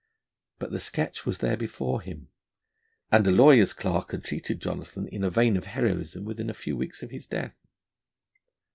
But the sketch was there before him, and a lawyer's clerk had treated Jonathan in a vein of heroism within a few weeks of his death.